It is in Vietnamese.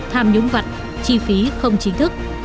tham nhũng vặt chi phí không chính thức